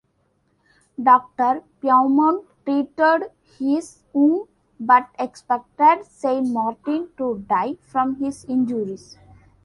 Doctor Beaumont treated his wound, but expected Saint Martin to die from his injuries.